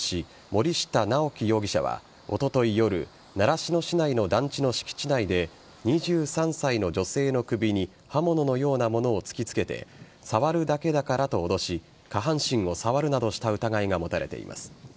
森下直樹容疑者はおととい夜習志野市内の団地の敷地内で２３歳の女性の首に刃物のようなものを突きつけて触るだけだからと脅し下半身を触るなどした疑いが持たれています。